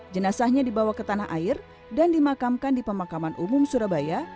jenazahnya dibawa ke tanah air dan dimakamkan di pemakaman umum surabaya